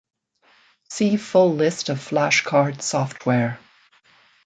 See full list of flashcard software.